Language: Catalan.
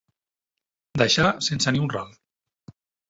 Deixar sense ni un ral.